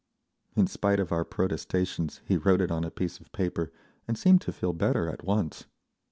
In spite of our protestations he wrote it on a piece of paper, and seemed to feel better at once.